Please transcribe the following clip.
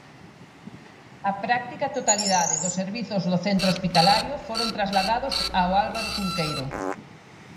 A práctica totalidade dos servizos do centro hospitalario foron trasladados ao Álvaro Cunqueiro.